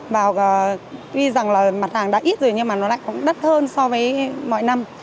và tuy rằng là mặt hàng đã ít rồi nhưng mà nó lại cũng đắt hơn so với mọi năm